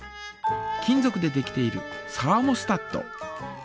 金ぞくでできているサーモスタット。